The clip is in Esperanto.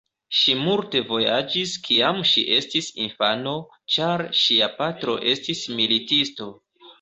Ŝi multe vojaĝis kiam ŝi estis infano, ĉar ŝia patro estis militisto.